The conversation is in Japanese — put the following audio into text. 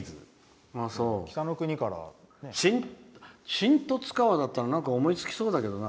新十津川だったら思いつきそうだけどね。